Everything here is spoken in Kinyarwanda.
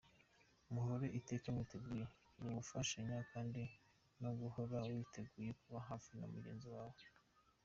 Muhore iteka mwiteguye gufashanya kandi no guhora witeguye kuba hafi ya mugenzi wawe.